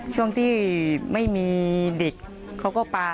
ช่วงที่ไม่มีเด็กเขาก็ปลา